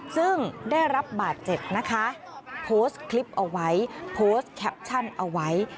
ซึ่งได้รับบาดเจ็บนะคะโพสต์คลิปเอาไว้โพสต์แคปชั่นเอาไว้